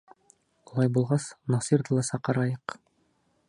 Улай булғас, Насирҙы ла саҡырайыҡ.